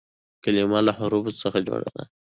کلیمه له حروفو څخه جوړه ده.